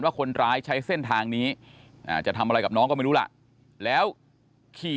ว่าคนร้ายใช้เส้นทางนี้จะทำอะไรกับน้องก็ไม่รู้ล่ะแล้วขี่